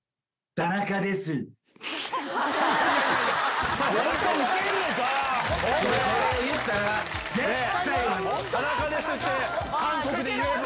タナカですって韓国で言えば。